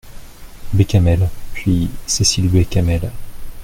Bécamel ; puis Cécile Bécamel.